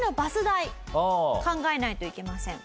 考えないといけません。